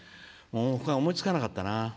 他に思いつかなかった。